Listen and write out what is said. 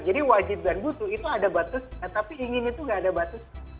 jadi wajib dan butuh itu ada batas tapi ingin itu tidak ada batas